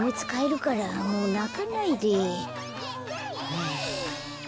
はあ。